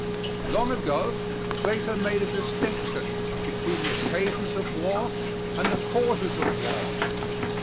Long ago Plato made a distinction between the occasions of war and the causes of war.